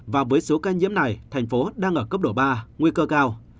và với số ca nhiễm này tp hcm đang ở cấp độ ba nguy cơ cao